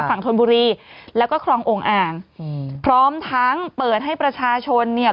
ธนบุรีแล้วก็คลองโอ่งอ่างอืมพร้อมทั้งเปิดให้ประชาชนเนี่ย